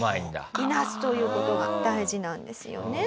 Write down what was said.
いなすという事が大事なんですよねはい。